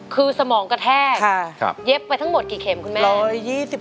คือสมองกระแทกเย็บไปทั้งหมดกี่เข็มคุณแม่